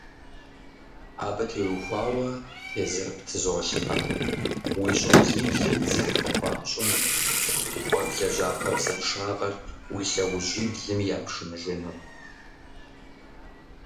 Абы теухуауэ тезыр птызолъхьэ: уи щӀэблиблым дзыхь къыхуамыщӏыну, уэ блэжьа хабзэншагъэр уи лъэужьиблым япшыныжыну.